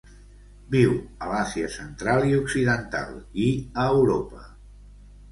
Viu a l'Àsia Central i occidental i a Europa.